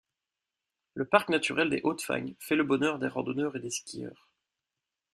Le Parc naturel des Hautes-Fagnes fait le bonheur des randonneurs et des skieurs.